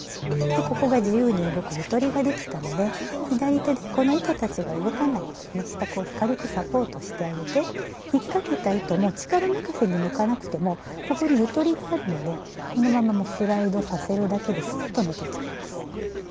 でここが自由に動く「ゆとり」ができたので左手でこの糸たちが動かないようにね下こう軽くサポートしてあげてひっかけた糸も力任せに抜かなくてもここに「ゆとり」があるのでこのままもうスライドさせるだけでスッと抜けちゃいます。